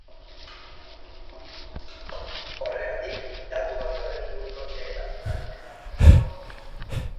Horregatik, datu base horren inguruko xehetasunak ezagutzeko, beregana jo dugu.